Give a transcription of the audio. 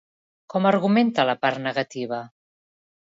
Com argumenta la part negativa?